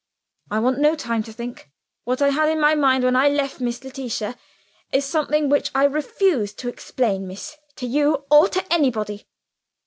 "I want no time to think. What I had in my mind, when I left Miss Letitia, is something which I refuse to explain, miss, to you, or to anybody."